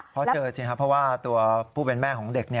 เพราะเจอสิครับเพราะว่าตัวผู้เป็นแม่ของเด็ก